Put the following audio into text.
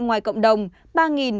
ngoài cộng đồng